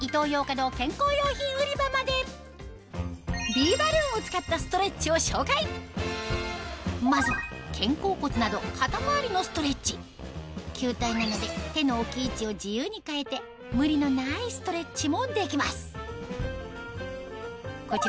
ビーバルーンを使ったまずは肩甲骨など肩周りのストレッチ球体なので手の置き位置を自由に変えて無理のないストレッチもできます